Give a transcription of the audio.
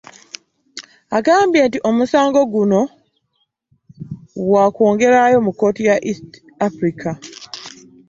Agambye nti omusango guno wa kugwongerayo mu kkooti ya East Africa